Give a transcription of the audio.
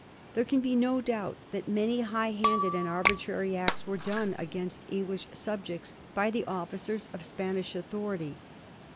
There can be no doubt that many high handed and arbitrary acts were done against English subjects by the officers of Spanish authority.